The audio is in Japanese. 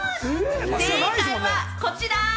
正解はこちら。